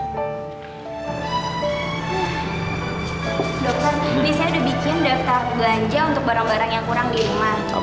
dokter ini saya udah bikin daftar belanja untuk barang barang yang saya mau beli